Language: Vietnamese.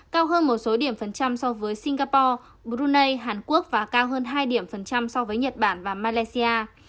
cao hơn một số điểm phần trăm so với singapore brunei hàn quốc và cao hơn hai điểm phần trăm so với nhật bản và malaysia